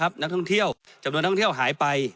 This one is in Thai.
จำนวนนักท่องเที่ยวจำนวนนักท่องเที่ยวหายไป